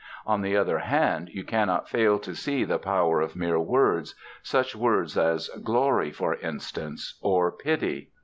On the other hand, you cannot fail to see the power of mere words; such words as Glory, for instance, or Pity.